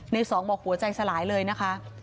สองบอกหัวใจสลายเลยนะคะ